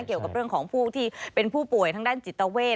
เกี่ยวกับเรื่องของผู้ที่เป็นผู้ป่วยทางด้านจิตเวท